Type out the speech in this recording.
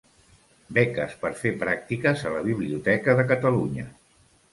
Beques per fer pràctiques a la Biblioteca de Catalunya.